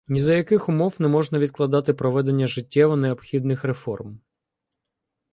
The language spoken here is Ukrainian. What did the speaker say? Ні за яких умов не можна відкладати проведення життєво необхідних реформ.